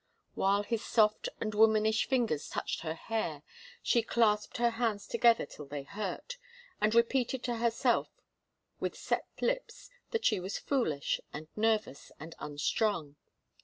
While his soft and womanish fingers touched her hair, she clasped her hands together till they hurt, and repeated to herself with set lips that she was foolish and nervous and unstrung.